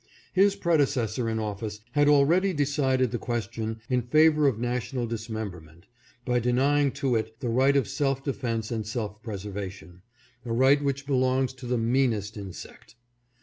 His predecessor in office had already decided the question in favor of na tional dismemberment by denying to it the right of self defense and self preservation — a right which belongs to the meanest insect.